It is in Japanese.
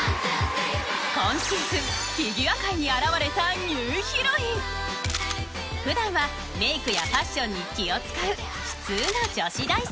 今シーズンフィギュア界に現れた普段はメイクやファッションに気を使う普通の女子大生。